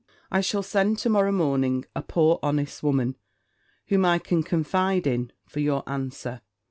I shall send to morrow morning a poor honest woman, whom I can confide in, for your answer.